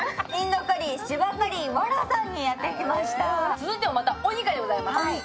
続いては、また、お２階でございます。